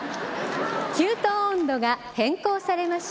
「給湯温度が変更されました」。